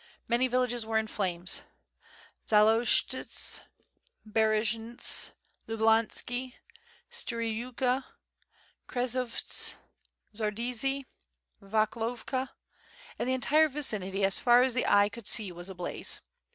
Many villages were in flames, Zaloshtsits, Barzynts, Lublanki, Striyooka, Kretovits, Zar iedzie, Vakhlovka, and the entire vicinity as far as the eye could see was ablaze.